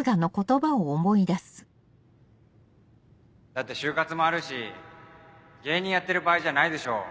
だって就活もあるし芸人やってる場合じゃないでしょ